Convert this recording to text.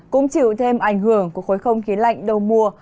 cũng chịu thêm ảnh hưởng của khối không khí lạnh đầu mùa